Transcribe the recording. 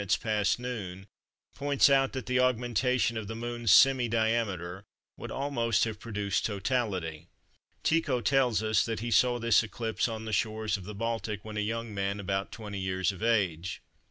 past noon points out that the augmentation of the Moon's semi diameter would almost have produced totality. Tycho tells us that he saw this eclipse on the shores of the Baltic when a young man about 20 years of age.